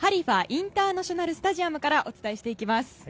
インターナショナルスタジアムからお伝えしていきます。